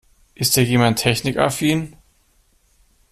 Ist hier jemand technikaffin?